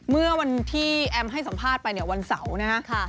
เมื่อวันที่แอมให้สัมภาษณ์ไปเนี่ยวันเสาร์นะฮะ